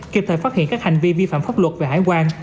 kịp thời phát hiện các hành vi vi phạm pháp luật về hải quan